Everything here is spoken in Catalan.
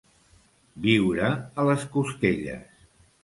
Viure a les costelles.